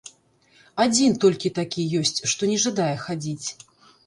Адзін толькі такі ёсць, што не жадае хадзіць.